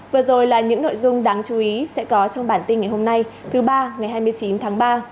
vừa rồi là những nội dung đáng chú ý sẽ có trong bản tin ngày hôm nay thứ ba ngày hai mươi chín tháng ba